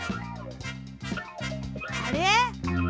あれ？